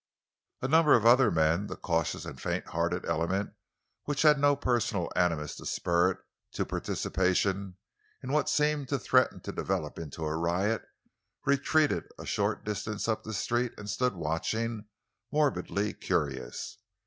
A number of other men—the cautious and faint hearted element which had no personal animus to spur it to participation in what seemed to threaten to develop into a riot—retreated a short distance up the street and stood watching, morbidly curious.